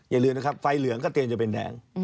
อย่าลืมนะครับไฟเหลืองก็เตรียมจะเป็นแดง